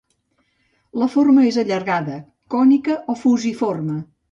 La forma és allargada, cònica o fusiforme.